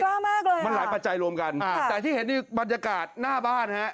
กล้ามากเลยอ่ะมันหลายปัจจัยรวมกันแต่ที่เห็นที่บรรยากาศหน้าบ้าน